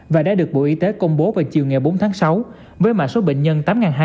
và đã được bộ y tế công bố vào chiều ngày bốn tháng sáu với mạng số bệnh nhân tám hai trăm bốn mươi hai